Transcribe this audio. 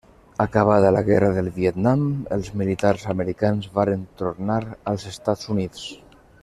Acabada la guerra del Vietnam els militars americans varen tornar als Estats Units.